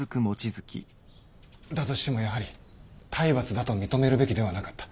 だとしてもやはり体罰だと認めるべきではなかった。